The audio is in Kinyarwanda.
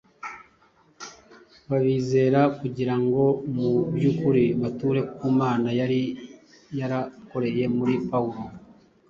b’abizera kugira ngo mu by’ukuri bature ko Imana yari yarakoreye muri Pawulo